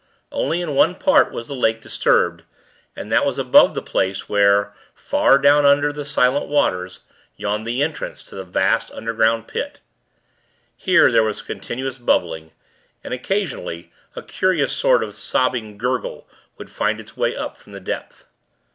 Only in one part was the lake disturbed, and that was above the place where, far down under the silent waters, yawned the entrance to the vast, underground Pit. Here, there was a continuous bubbling; and, occasionally, a curious sort of sobbing gurgle would find its way up from the depth.